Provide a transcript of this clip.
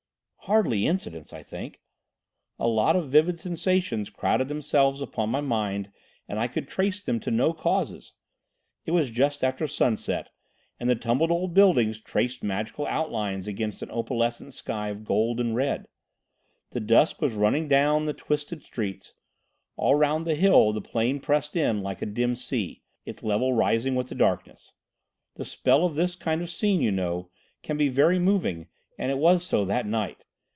"Hardly incidents, I think. A lot of vivid sensations crowded themselves upon my mind and I could trace them to no causes. It was just after sunset and the tumbled old buildings traced magical outlines against an opalescent sky of gold and red. The dusk was running down the twisted streets. All round the hill the plain pressed in like a dim sea, its level rising with the darkness. The spell of this kind of scene, you know, can be very moving, and it was so that night.